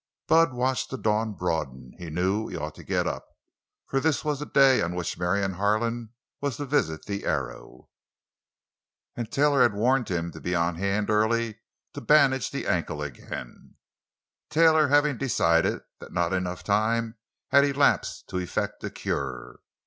Bud watched the dawn broaden. He knew he ought to get up, for this was the day on which Marion Harlan was to visit the Arrow—and Taylor had warned him to be on hand early to bandage the ankle again—Taylor having decided that not enough time had elapsed to effect a cure.